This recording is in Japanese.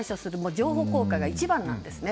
情報公開が一番なんですね。